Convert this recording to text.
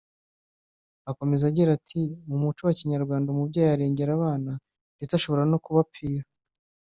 Akomeza agira ati “Mu muco wa Kinyarwanda umubyeyi arengera abana ndetse ashobora no kubapfira